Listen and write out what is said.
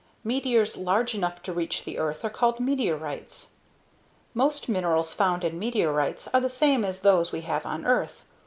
Meteors large enough to reach the earth are called meteorites. Most minerals found in meteorites are the same as those we have on earth.